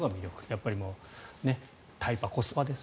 やっぱりタイパ、コスパです。